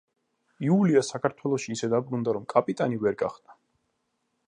იულია საქართველოში ისე დაბრუნდა, რომ კაპიტანი ვერ გახდა.